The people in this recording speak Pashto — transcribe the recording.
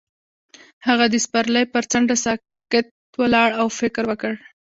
هغه د پسرلی پر څنډه ساکت ولاړ او فکر وکړ.